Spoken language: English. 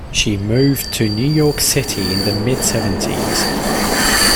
She moved to New York City in the mid-seventies.